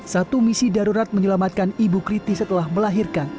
satu misi darurat menyelamatkan ibu kritis setelah melahirkan